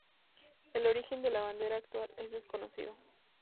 El origen de la bandera actual es desconocido.